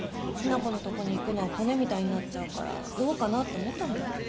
雛子のとこに行くのはコネみたいになっちゃうからどうかなと思ったんだよ。